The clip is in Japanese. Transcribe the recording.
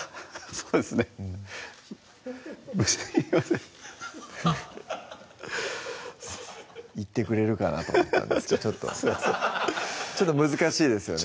そうですねすいません言ってくれるかなと思ったんですけどちょっとすいません難しいですよね